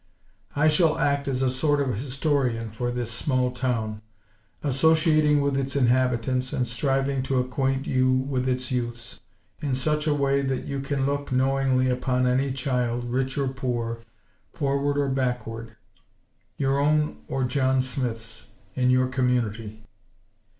I shall act as a sort of historian for this small town; associating with its inhabitants, and striving to acquaint you with its youths, in such a way that you can look, knowingly, upon any child, rich or poor; forward or "backward;" your own, or John Smith's, in your community.